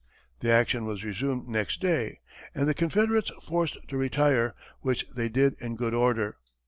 The action was resumed next day, and the Confederates forced to retire, which they did in good order.